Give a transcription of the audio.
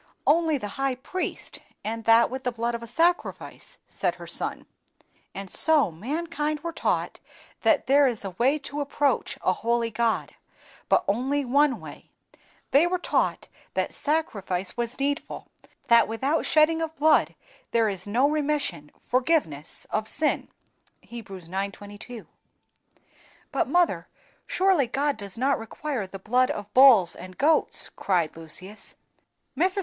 "Only the high priest, and that with the blood of a sacrifice," said her son. "And so mankind were taught that there is a way to approach a holy God, but only one way; they were taught that sacrifice was needful, that WITHOUT SHEDDING OF BLOOD THERE IS NO REMISSION (forgiveness of sin), Heb. ix. 22. "But, mother, surely God does not require the blood of bulls and goats!" cried Lucius. Mrs.